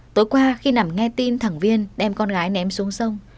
tối qua khi nằm nghe tin thẳng viên đem con gái ném xuống sông